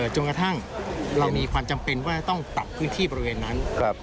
จนกระทั่งเรามีความจำเป็นว่าจะต้องปรับพื้นที่บริเวณนั้น